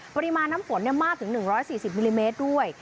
ปริมาณน้ำฝนมากถึง๑๔๐มิลลิเมตรด้วย